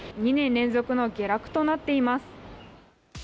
２年連続の下落となっています。